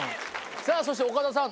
さあそして岡田さん。